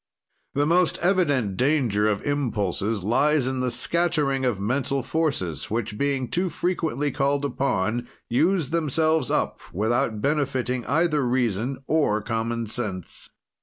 The most evident danger of impulses lies in the scattering of mental forces, which, being too frequently called upon, use themselves up without benefiting either reason or common sense.